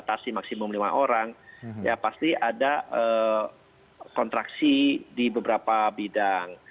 batasi maksimum lima orang ya pasti ada kontraksi di beberapa bidang